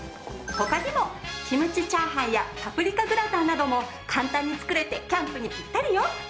他にもキムチチャーハンやパプリカグラタンなども簡単に作れてキャンプにピッタリよ。